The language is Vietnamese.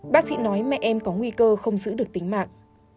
bác sĩ nói mẹ em có nguy cơ không giữ được tính mạng